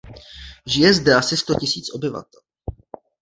Žije zde asi sto tisíc obyvatel.